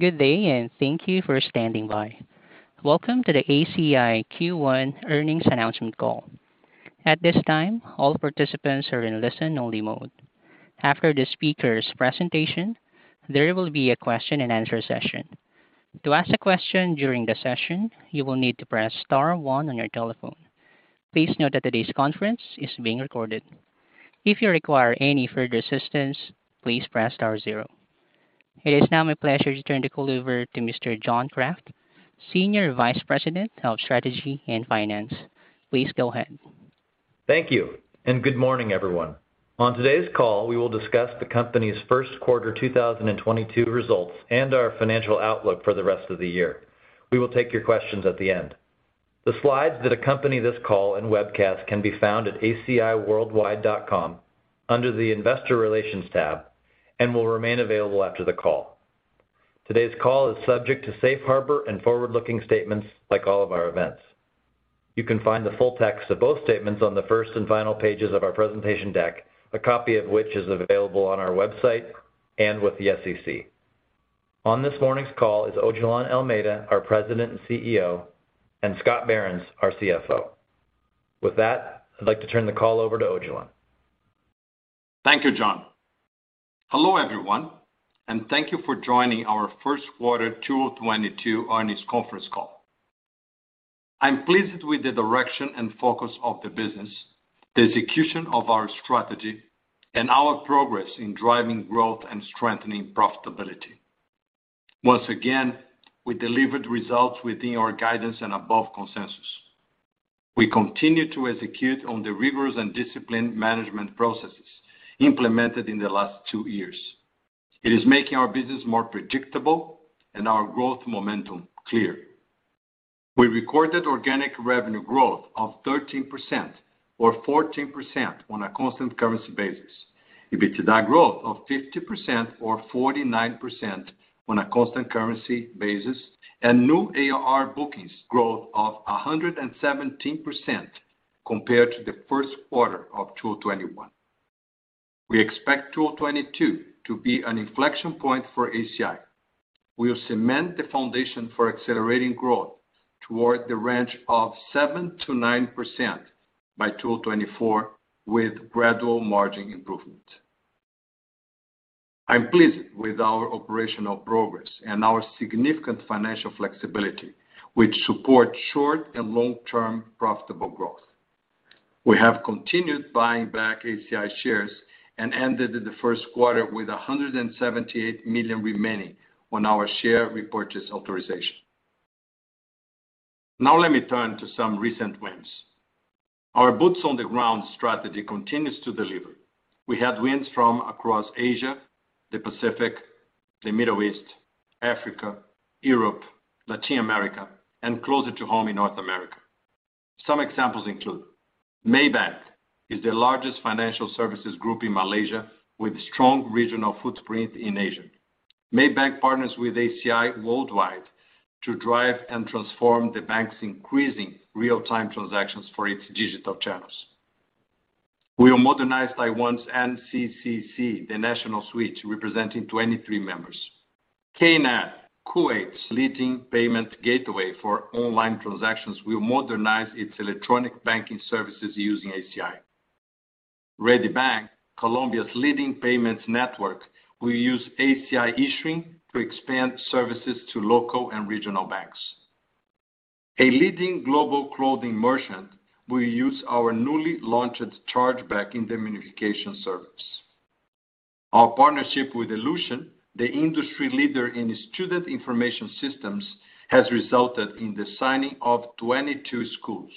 Good day and thank you for standing by. Welcome to the ACI Q1 Earnings Announcement Call. At this time, all participants are in listen-only mode. After the speaker's presentation, there will be a question-and-answer session. To ask a question during the session, you will need to press star one on your telephone. Please note that today's conference is being recorded. If you require any further assistance, please press star zero. It is now my pleasure to turn the call over to Mr. John Kraft, Senior Vice President of Strategy and Finance. Please go ahead. Thank you, and good morning, everyone. On today's call, we will discuss the company's first quarter 2022 results and our financial outlook for the rest of the year. We will take your questions at the end. The slides that accompany this call and webcast can be found at ACIWorldwide.com under the Investor Relations tab and will remain available after the call. Today's call is subject to safe harbor and forward-looking statements like all of our events. You can find the full text of both statements on the first and final pages of our presentation deck, a copy of which is available on our website and with the SEC. On this morning's call is Odilon Almeida, our President and CEO, and Scott Behrens, our CFO. With that, I'd like to turn the call over to Odilon. Thank you, John. Hello, everyone, and thank you for joining our first quarter 2022 earnings conference call. I'm pleased with the direction and focus of the business, the execution of our strategy, and our progress in driving growth and strengthening profitability. Once again, we delivered results within our guidance and above consensus. We continue to execute on the rigorous and disciplined management processes implemented in the last two years. It is making our business more predictable and our growth momentum clear. We recorded organic revenue growth of 13% or 14% on a constant currency basis. EBITDA growth of 50% or 49% on a constant currency basis and new ARR bookings growth of 117% compared to the first quarter of 2021. We expect 2022 to be an inflection point for ACI. We'll cement the foundation for accelerating growth toward the range of 7%-9% by 2024 with gradual margin improvement. I'm pleased with our operational progress and our significant financial flexibility, which support short and long-term profitable growth. We have continued buying back ACI shares and ended the first quarter with $178 million remaining on our share repurchase authorization. Now let me turn to some recent wins. Our boots on the ground strategy continues to deliver. We had wins from across Asia, the Pacific, the Middle East, Africa, Europe, Latin America, and closer to home in North America. Some examples include Maybank, the largest financial services group in Malaysia with strong regional footprint in Asia. Maybank partners with ACI Worldwide to drive and transform the bank's increasing real-time transactions for its digital channels. We modernized Taiwan's NCCC, the national switch representing 23 members. KNET, Kuwait's leading payment gateway for online transactions, will modernize its electronic banking services using ACI. Redeban, Colombia's leading payments network, will use ACI Issuing to expand services to local and regional banks. A leading global clothing merchant will use our newly launched ACI Chargeback Indemnification service. Our partnership with Ellucian, the industry leader in student information systems, has resulted in the signing of 22 schools.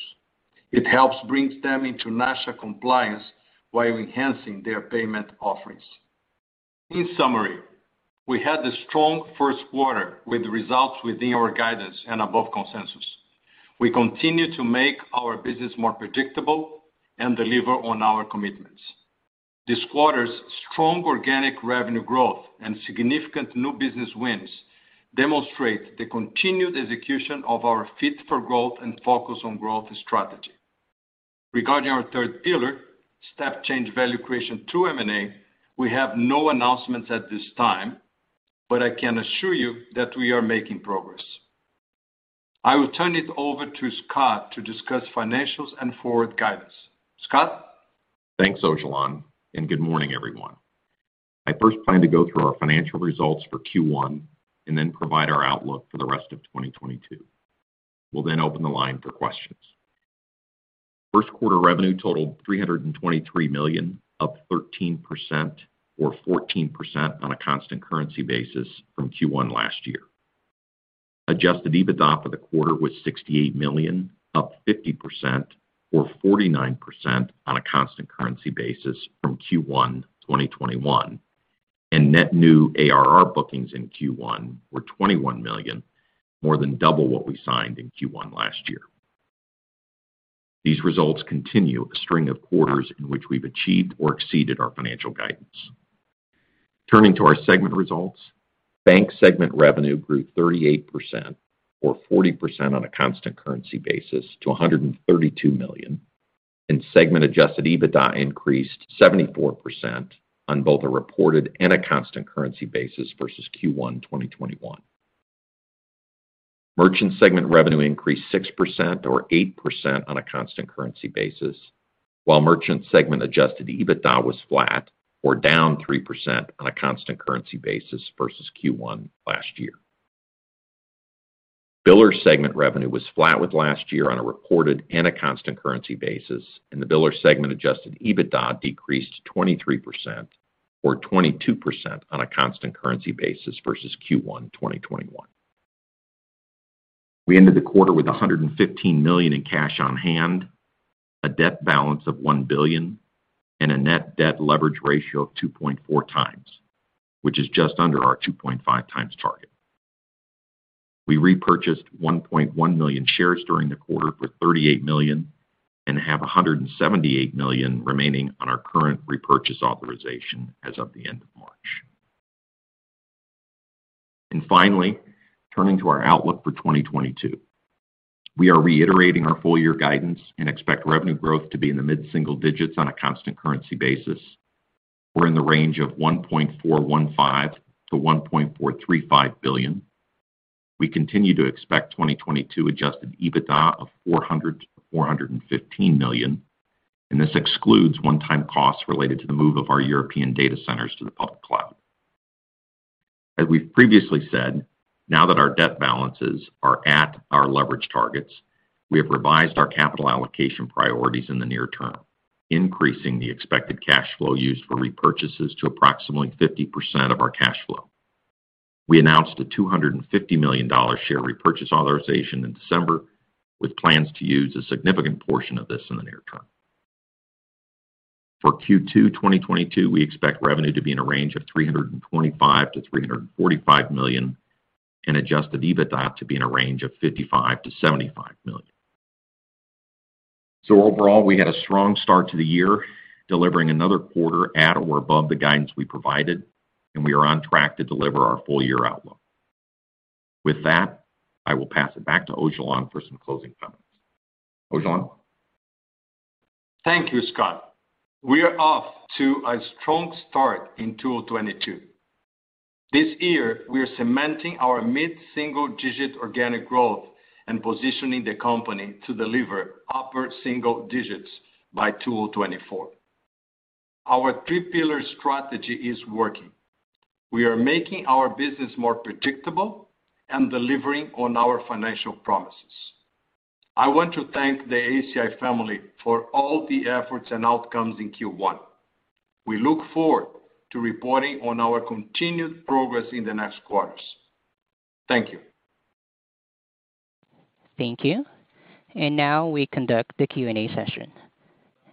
It helps bring them into national compliance while enhancing their payment offerings. In summary, we had a strong first quarter with results within our guidance and above consensus. We continue to make our business more predictable and deliver on our commitments. This quarter's strong organic revenue growth and significant new business wins demonstrate the continued execution of our Fit for Growth and Focus on Growth strategy. Regarding our third pillar, Step Change Value Creation through M&A, we have no announcements at this time, but I can assure you that we are making progress. I will turn it over to Scott to discuss financials and forward guidance. Scott? Thanks, Odilon, and good morning, everyone. I first plan to go through our financial results for Q1 and then provide our outlook for the rest of 2022. We'll then open the line for questions. First quarter revenue totaled $323 million, up 13% or 14% on a constant currency basis from Q1 last year. Adjusted EBITDA for the quarter was $68 million, up 50% or 49% on a constant currency basis from Q1 2021. Net new ARR bookings in Q1 were $21 million, more than double what we signed in Q1 last year. These results continue a string of quarters in which we've achieved or exceeded our financial guidance. Turning to our segment results. Bank segment revenue grew 38% or 40% on a constant currency basis to $132 million. Segment adjusted EBITDA increased 74% on both a reported and a constant currency basis versus Q1 2021. Merchant segment revenue increased 6% or 8% on a constant currency basis, while merchant segment adjusted EBITDA was flat or down 3% on a constant currency basis versus Q1 last year. Biller segment revenue was flat with last year on a reported and a constant currency basis, and the biller segment adjusted EBITDA decreased 23% or 22% on a constant currency basis versus Q1 2021. We ended the quarter with $115 million in cash on hand, a debt balance of $1 billion, and a net debt leverage ratio of 2.4x, which is just under our 2.5x target. We repurchased 1.1 million shares during the quarter for $38 million and have $178 million remaining on our current repurchase authorization as of the end of March. Finally, turning to our outlook for 2022. We are reiterating our full year guidance and expect revenue growth to be in the mid-single digits on a constant currency basis. We're in the range of $1.415 billion-$1.435 billion. We continue to expect 2022 adjusted EBITDA of $400 million-$415 million, and this excludes one-time costs related to the move of our European data centers to the public cloud. As we've previously said, now that our debt balances are at our leverage targets, we have revised our capital allocation priorities in the near term, increasing the expected cash flow used for repurchases to approximately 50% of our cash flow. We announced a $250 million share repurchase authorization in December, with plans to use a significant portion of this in the near term. For Q2 2022, we expect revenue to be in a range of $325 million-$345 million and adjusted EBITDA to be in a range of $55 million-$75 million. Overall, we had a strong start to the year, delivering another quarter at or above the guidance we provided, and we are on track to deliver our full year outlook. With that, I will pass it back to Odilon for some closing comments. Odilon? Thank you, Scott. We are off to a strong start in 2022. This year, we are cementing our mid-single-digit organic growth and positioning the company to deliver upper single digits by 2024. Our three-pillar strategy is working. We are making our business more predictable and delivering on our financial promises. I want to thank the ACI family for all the efforts and outcomes in Q1. We look forward to reporting on our continued progress in the next quarters. Thank you. Thank you. Now we conduct the Q&A session.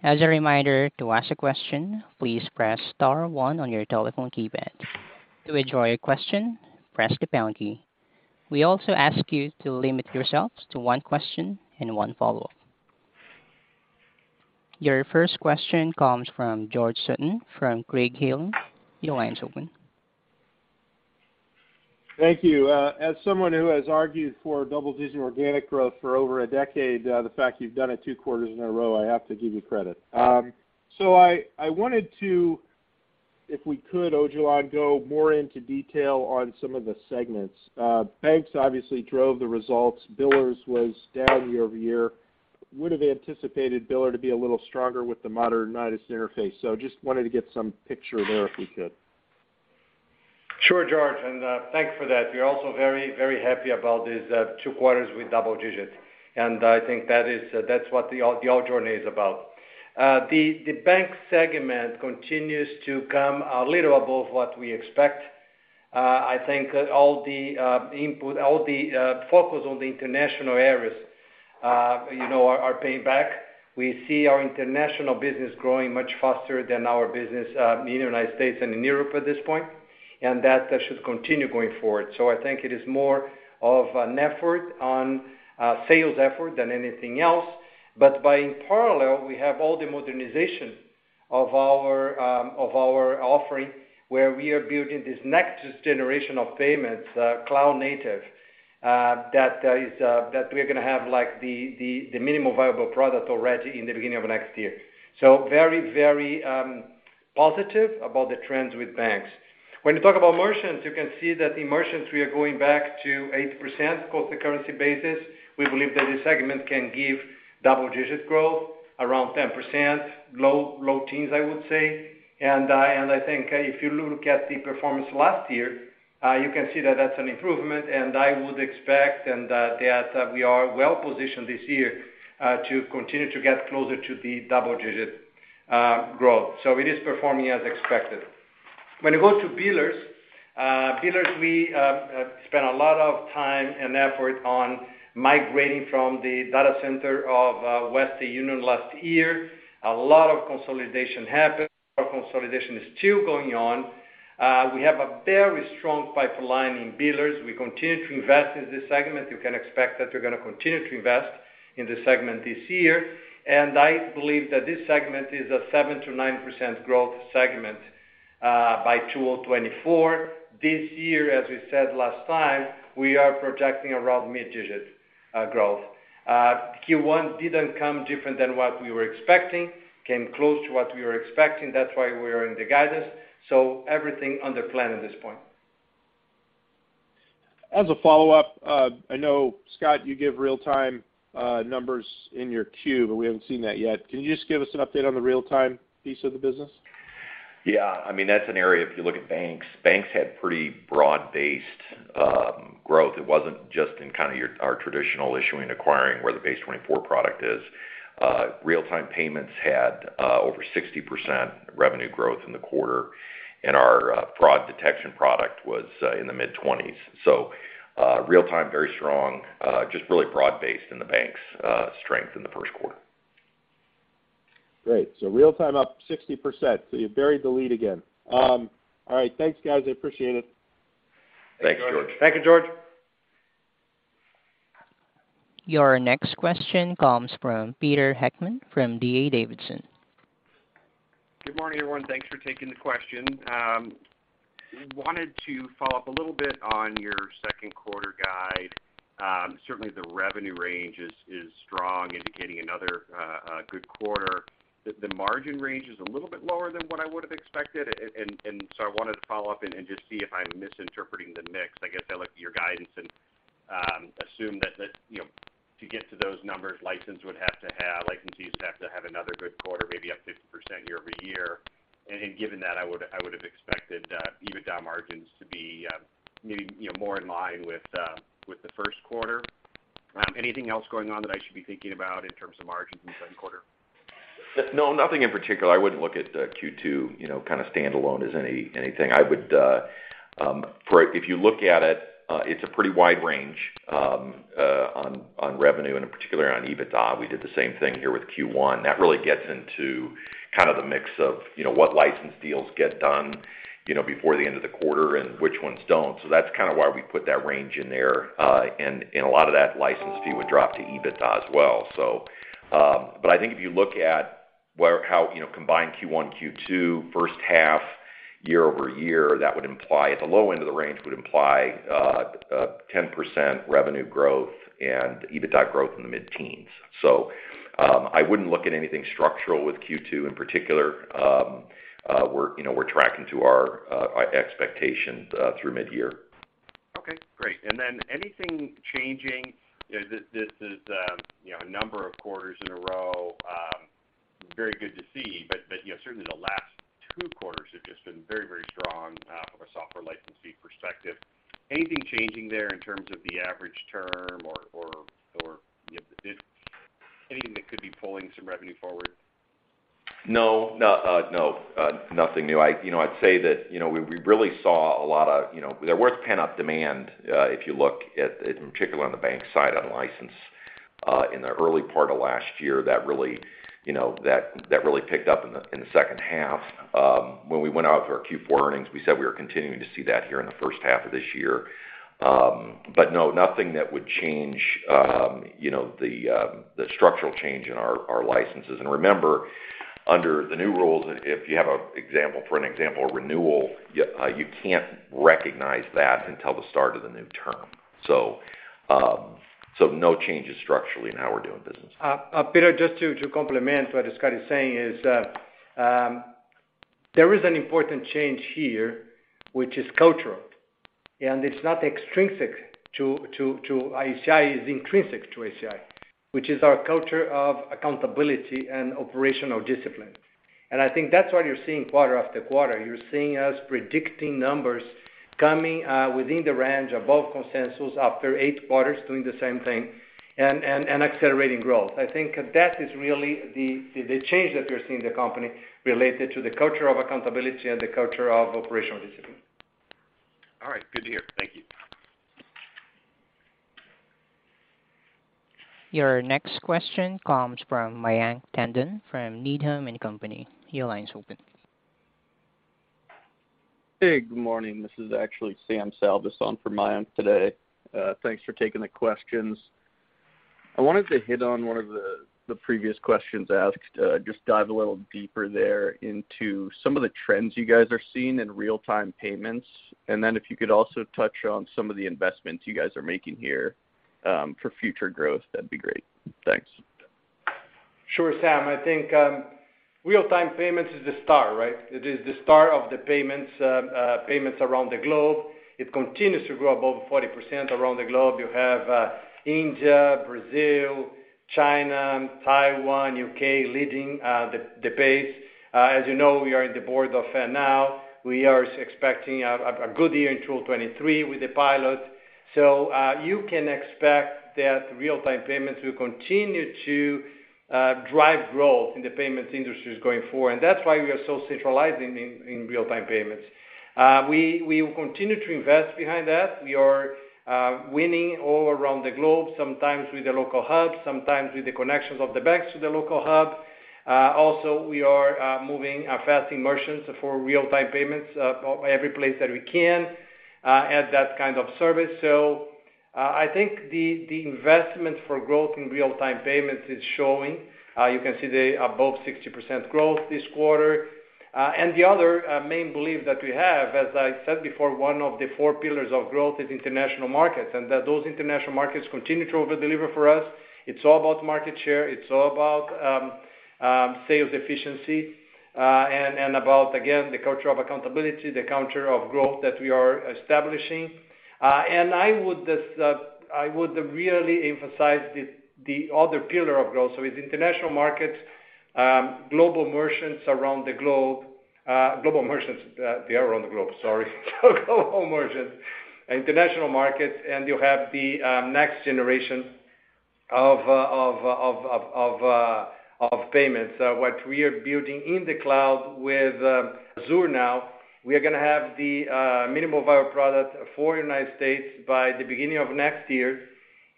As a reminder, to ask a question, please press star one on your telephone keypad. To withdraw your question, press the pound key. We also ask you to limit yourselves to one question and one follow-up. Your first question comes from George Sutton from Craig-Hallum. Your line's open. Thank you. As someone who has argued for double-digit organic growth for over a decade, the fact you've done it two quarters in a row, I have to give you credit. I wanted to, if we could, Odilon, go more into detail on some of the segments. Banks obviously drove the results. Billers was down year-over-year. I would have anticipated Billers to be a little stronger with the payments modernization initiatives. Just wanted to get some picture there, if we could. Sure, George, thanks for that. We're also very happy about these two quarters with double digits, and I think that's what the ACI journey is about. The bank segment continues to come a little above what we expect. I think all the investment, all the focus on the international areas, you know, are paying back. We see our international business growing much faster than our business in the United States and in Europe at this point, and that should continue going forward. I think it is more of a sales effort than anything else. In parallel, we have all the modernization of our offering, where we are building this next generation of payments, cloud native, that we're gonna have like the minimum viable product already in the beginning of next year. Very positive about the trends with banks. When you talk about merchants, you can see that in merchants we are going back to 8% constant currency basis. We believe that this segment can give double-digit growth, around 10%, low teens, I would say. I think if you look at the performance last year, you can see that that's an improvement and I would expect that we are well positioned this year to continue to get closer to the double-digit growth. It is performing as expected. When you go to billers, we spend a lot of time and effort on migrating from the data center of Western Union last year. A lot of consolidation happened. A lot of consolidation is still going on. We have a very strong pipeline in billers. We continue to invest in this segment. You can expect that we're gonna continue to invest in this segment this year. I believe that this segment is a 7%-9% growth segment by 2024. This year, as we said last time, we are projecting around mid-digits growth. Q1 didn't come different than what we were expecting. Came close to what we were expecting. That's why we are in the guidance. Everything on the plan at this point. As a follow-up, I know, Scott, you give real-time numbers in your Q, but we haven't seen that yet. Can you just give us an update on the real-time piece of the business? Yeah. I mean, that's an area if you look at banks. Banks had pretty broad-based growth. It wasn't just in kind of our traditional issuing, acquiring where the BASE24 product is. Real-time payments had over 60% revenue growth in the quarter, and our fraud detection product was in the mid-20s. Real-time, very strong, just really broad-based in the banks, strength in the first quarter. Great. Real-time up 60%. You buried the lead again. All right, thanks, guys. I appreciate it. Thanks, George. Thank you, George. Your next question comes from Peter Heckmann from D.A. Davidson. Good morning, everyone. Thanks for taking the question. Wanted to follow up a little bit on your second quarter guide. Certainly, the revenue range is strong, indicating another good quarter. The margin range is a little bit lower than what I would have expected and so I wanted to follow up and just see if I'm misinterpreting the mix. I guess I look at your guidance and assume that you know to get to those numbers, licensees would have to have another good quarter, maybe up 50% year-over-year. Given that, I would have expected EBITDA margins to be maybe you know more in line with the first quarter. Anything else going on that I should be thinking about in terms of margins in the second quarter? No, nothing in particular. I wouldn't look at Q2, you know, kind of standalone as anything. I would, if you look at it's a pretty wide range on revenue and particularly on EBITDA. We did the same thing here with Q1. That really gets into kind of the mix of, you know, what license deals get done, you know, before the end of the quarter and which ones don't. That's kinda why we put that range in there, and a lot of that license fee would drop to EBITDA as well. But I think if you look at how, you know, combined Q1, Q2, first half, year-over-year, that would imply at the low end of the range, a 10% revenue growth and EBITDA growth in the mid-teens. I wouldn't look at anything structural with Q2 in particular. We're, you know, tracking to our expectations through mid-year. Okay, great. Anything changing? This is, you know, a number of quarters in a row, very good to see, but you know, certainly the last two quarters have just been very, very strong from a software licensee perspective. Anything changing there in terms of the average term or anything that could be pulling some revenue forward? No. Nothing new. You know, I'd say that, you know, we really saw a lot of, you know. There was pent-up demand, if you look at in particular on the bank side on license in the early part of last year that really picked up in the second half. When we went out for our Q4 earnings, we said we were continuing to see that here in the first half of this year. But no, nothing that would change, you know, the structural change in our licenses. Remember, under the new rules, if you have an example, for an example, a renewal, you can't recognize that until the start of the new term. No changes structurally in how we're doing business. Peter, just to complement what Scott is saying, there is an important change here, which is cultural, and it's not extrinsic to ACI, is intrinsic to ACI, which is our culture of accountability and operational discipline. I think that's what you're seeing quarter after quarter. You're seeing us predicting numbers coming within the range above consensus after eight quarters doing the same thing and accelerating growth. I think that is really the change that you're seeing the company related to the culture of accountability and the culture of operational discipline. All right. Good to hear. Thank you. Your next question comes from Mayank Tandon from Needham & Company. Your line is open. Hey, good morning. This is actually Sam Salveson for Mayank today. Thanks for taking the questions. I wanted to hit on one of the previous questions asked, just dive a little deeper there into some of the trends you guys are seeing in real-time payments. Then if you could also touch on some of the investments you guys are making here, for future growth, that'd be great. Thanks. Sure, Sam. I think real-time payments is the star, right? It is the star of the payments around the globe. It continues to grow above 40% around the globe. You have India, Brazil, China, Taiwan, U.K., leading the pace. As you know, we are on the board of FedNow. We are expecting a good year in 2023 with the pilot. You can expect that real-time payments will continue to drive growth in the payments industry going forward. That's why we are so focusing on real-time payments. We will continue to invest behind that. We are winning all around the globe, sometimes with the local hub, sometimes with the connections of the banks to the local hub. Also, we are moving our faster versions for real-time payments every place that we can add that kind of service. I think the investment for growth in real-time payments is showing. You can see they are above 60% growth this quarter. The other main belief that we have, as I said before, one of the four pillars of growth is international markets, and that those international markets continue to over-deliver for us. It's all about market share, it's all about sales efficiency, and about, again, the culture of accountability, the culture of growth that we are establishing. I would just, I would really emphasize the other pillar of growth. It's international markets, global merchants around the globe. Global merchants, they are around the globe, sorry. Global merchants, international markets, and you have the next generation of payments. What we are building in the cloud with Azure now, we are gonna have the minimum viable product for United States by the beginning of next year,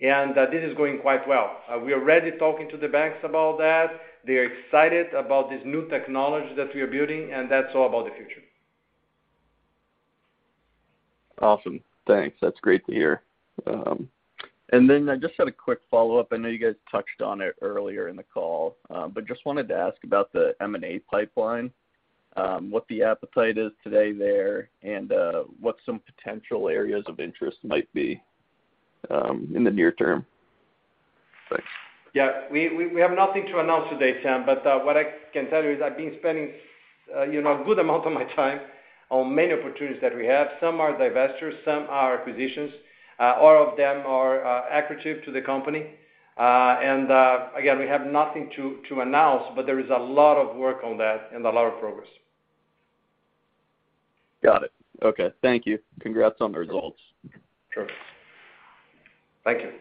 and this is going quite well. We are already talking to the banks about that. They're excited about this new technology that we are building, and that's all about the future. Awesome. Thanks. That's great to hear. I just had a quick follow-up. I know you guys touched on it earlier in the call, but just wanted to ask about the M&A pipeline, what the appetite is today there, and what some potential areas of interest might be, in the near term. Thanks. Yeah. We have nothing to announce today, Sam, but what I can tell you is I've been spending, you know, a good amount of my time on many opportunities that we have. Some are divestitures, some are acquisitions. All of them are accretive to the company. Again, we have nothing to announce, but there is a lot of work on that and a lot of progress. Got it. Okay. Thank you. Congrats on the results. Sure. Thank you.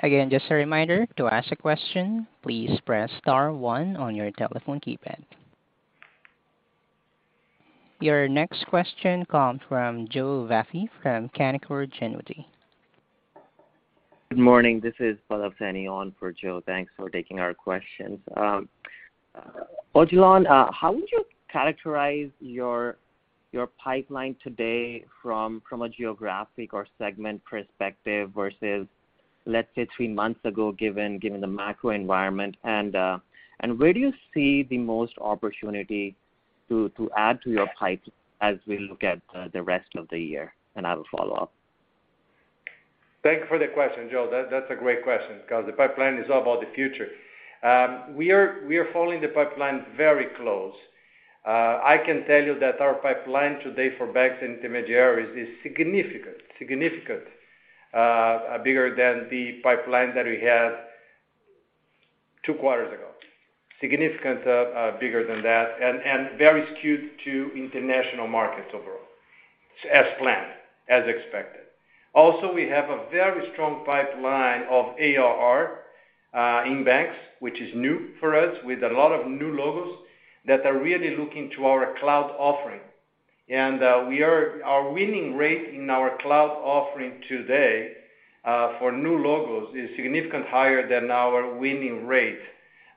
Again, just a reminder, to ask a question, please press star one on your telephone keypad. Your next question comes from Joe Vafi from Canaccord Genuity. Good morning. This is Pallav Saini on for Joe. Thanks for taking our questions. Odilon, how would you characterize your pipeline today from a geographic or segment perspective versus, let's say, three months ago, given the macro environment? Where do you see the most opportunity to add to your pipeline as we look at the rest of the year? I will follow up. Thank you for the question, Joe. That's a great question because the pipeline is all about the future. We are following the pipeline very close. I can tell you that our pipeline today for banks and intermediaries is significant bigger than the pipeline that we had two quarters ago. Significantly bigger than that, and very skewed to international markets overall, as planned, as expected. Also, we have a very strong pipeline of ARR in banks, which is new for us, with a lot of new logos that are really looking to our cloud offering. Our winning rate in our cloud offering today, for new logos is significantly higher than our winning rate,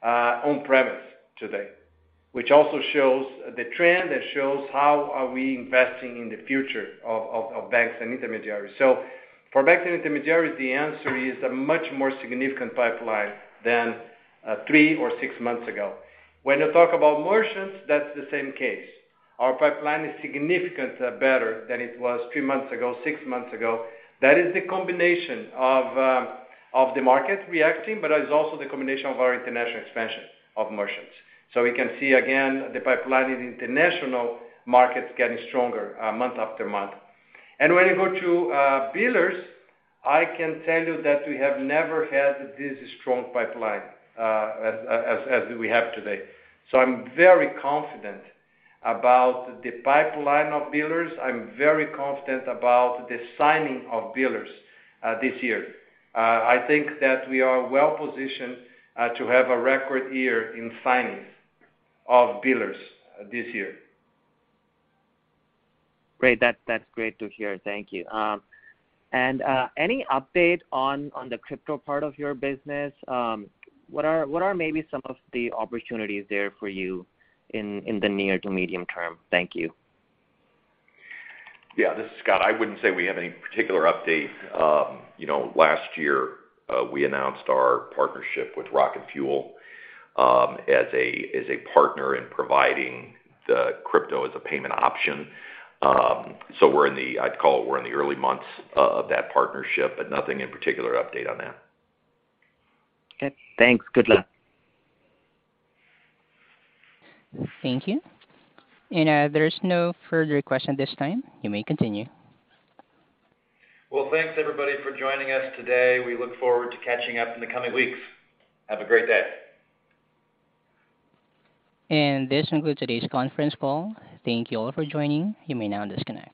on-premise today, which also shows the trend that shows how we are investing in the future of banks and intermediaries. For banks and intermediaries, the answer is a much more significant pipeline than three or six months ago. When you talk about merchants, that's the same case. Our pipeline is significantly better than it was three months ago, six months ago. That is the combination of the market reacting, but that is also the combination of our international expansion of merchants. We can see again the pipeline in international markets getting stronger, month after month. When you go to billers, I can tell you that we have never had this strong pipeline as we have today. I'm very confident about the pipeline of billers. I'm very confident about the signing of billers this year. I think that we are well positioned to have a record year in signings of billers this year. Great. That's great to hear. Thank you. Any update on the crypto part of your business? What are maybe some of the opportunities there for you in the near to medium term? Thank you. Yeah. This is Scott. I wouldn't say we have any particular update. You know, last year, we announced our partnership with RocketFuel Blockchain, as a partner in providing the crypto as a payment option. We're in the early months, I'd call it, of that partnership, but nothing in particular update on that. Okay. Thanks. Good luck. Thank you. There's no further question at this time. You may continue. Well, thanks everybody for joining us today. We look forward to catching up in the coming weeks. Have a great day. This concludes today's conference call. Thank you all for joining. You may now disconnect.